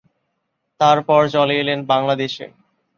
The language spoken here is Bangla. তারপর চলে এলেন বাংলাদেশে।